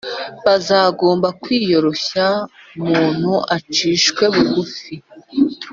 Bazagomba kwiyoroshya, muntu acishwe bugufi,